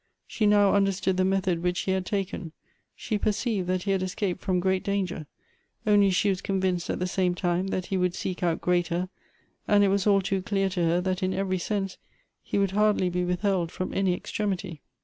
She now understood 108 Goethe's the method which he had taken ; she perceived that he had escaped from great danger; only she was convinced at the same time that he would seek out greatcn; and it w^as all too clear to her tliat in every sense he would hardly he withheld from any extremitj'.